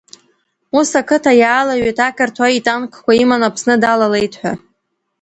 Ус ақыҭа иаалаҩҩит ақырҭуа итанкқәа иманы Аԥсны далалеит ҳәа.